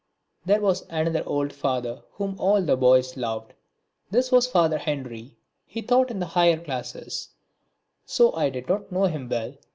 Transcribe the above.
There was another old Father whom all the boys loved. This was Father Henry. He taught in the higher classes; so I did not know him well.